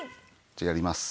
じゃあやります。